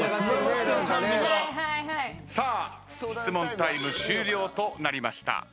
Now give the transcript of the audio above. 質問タイム終了となりました。